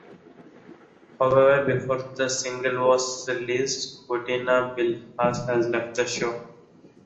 However, before the single was released, Bettina Ballhaus had left the show.